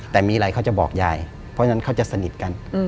แต่มีอะไรเขาจะบอกยายเพราะฉะนั้นเขาจะสนิทกัน